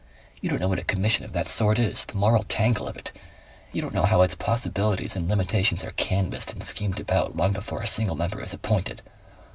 You don't know what a Commission of that sort is. The moral tangle of it. You don't know how its possibilities and limitations are canvassed and schemed about, long before a single member is appointed.